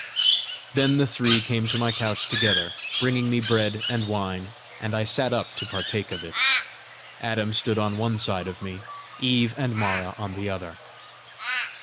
Then the three came to my couch together, bringing me bread and wine, and I sat up to partake of it. Adam stood on one side of me, Eve and Mara on the other.